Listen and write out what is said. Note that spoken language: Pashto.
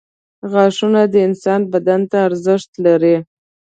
• غاښونه د انسان بدن ته ارزښت لري.